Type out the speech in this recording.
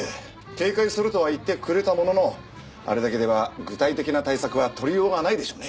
警戒するとは言ってくれたもののあれだけでは具体的な対策は取りようがないでしょうね。